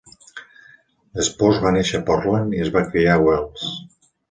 L'Spose va néixer a Portland i es va criar a Wells.